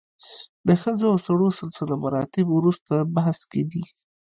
د ښځو او سړو سلسله مراتب وروسته بحث کې دي.